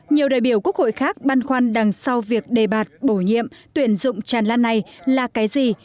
nhiều đại biểu quốc hội khác băn khoăn đằng sau việc đề bạt bổ nhiệm tuyển dụng tràn lan này là cái gì